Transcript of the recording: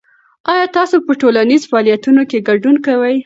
آیا تاسو په ټولنیزو فعالیتونو کې ګډون کوئ؟